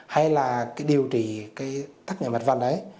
hay là điều trị tắc mặt văn ấy